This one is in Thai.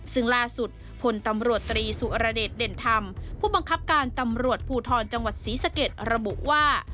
ซึ่งล่าสุดพลตำรวจตรีสุรเดชเด่นธรรมผู้บังคับการตำรวจภูทรจังหวัดศรีสะเกดระบุว่า